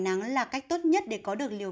nắng là cách tốt nhất để có được liều